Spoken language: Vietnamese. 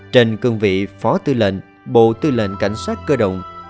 trên cương vị phó tư lệnh bộ tư lệnh cảnh sát cơ động